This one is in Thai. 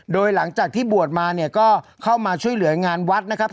โดยหลังจากที่บวชมาเนี่ยก็เข้ามาช่วยเหลืองานวัดนะครับ